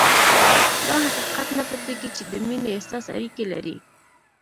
دا حقيقت نه پټېږي چې د مينې احساس اړيکې لري.